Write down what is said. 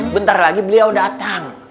bentar lagi beliau datang